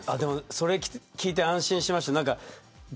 それ聞いて安心しました。